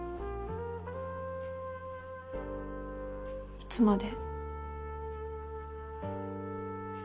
いつまで？